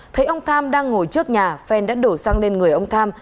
thấy ông tham đang ngồi trước nhà phen đã đổ xăng lên người ông tham